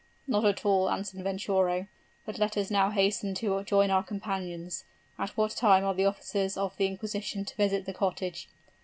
'Not at all,' answered Venturo; 'but let us now hasten to join our companions. At what time are the officers of the inquisition to visit the cottage?'